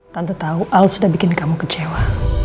tante tahu al sudah bikin kamu kecewa